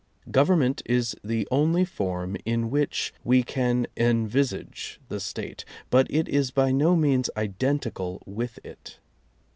Government is the only form in which we can envisage the State, but it is by no means identical with it.